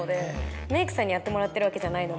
メークさんにやってもらってるわけじゃないので。